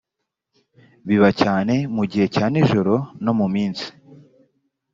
biba cyane mu gihe cya nijoro no mu minsi